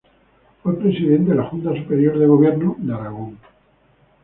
Fue presidente de la Junta Superior de Gobierno de Aragón.